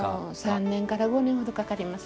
３年から５年ほどかかります。